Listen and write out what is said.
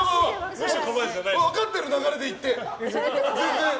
分かってる流れでいって全然。